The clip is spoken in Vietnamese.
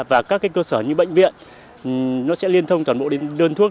và các cơ sở như bệnh viện nó sẽ liên thông toàn bộ đến đơn thuốc